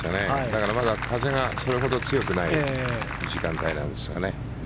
だからまだ風がそれほど強くない時間帯なんですかね。